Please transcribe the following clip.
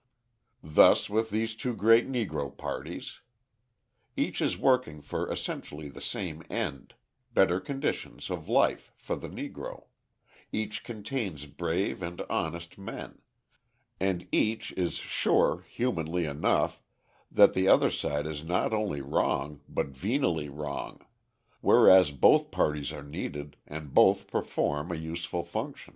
Thus with these two great Negro parties. Each is working for essentially the same end better conditions of life for the Negro each contains brave and honest men, and each is sure, humanly enough, that the other side is not only wrong, but venally wrong, whereas both parties are needed and both perform a useful function.